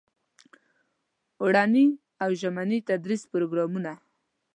اوړني او ژمني تدریسي پروګرامونه.